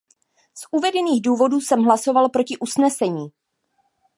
Z uvedených důvodů jsem hlasoval proti usnesení.